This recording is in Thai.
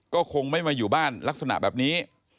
ก็คงไม่มาอยู่บ้านลักษณะแบบนี้